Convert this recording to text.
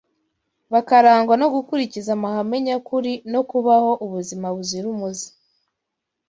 bakarangwa no gukurikiza amahame nyakuri no kubaho ubuzima buzira umuze